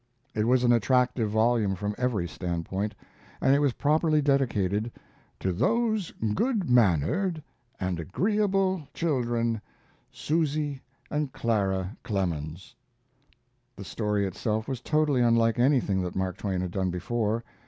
It was an attractive volume from every standpoint, and it was properly dedicated "To those good mannered and agreeable children, Susy and Clara Clemens." The story itself was totally unlike anything that Mark Twain had done before.